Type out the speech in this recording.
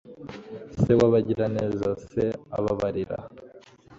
Se wabagiraneza Se ababarira